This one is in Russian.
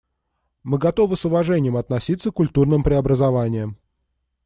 Мы готовы с уважением относиться к культурным преобразованиям.